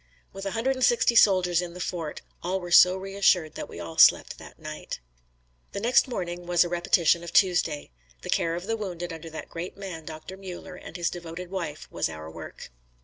With a hundred and sixty soldiers in the fort, all were so reassured that we all slept that night. The next morning was a repetition of Tuesday. The care of the wounded under that great man, Doctor Mueller and his devoted wife, was our work.